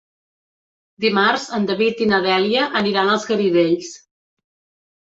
Dimarts en David i na Dèlia aniran als Garidells.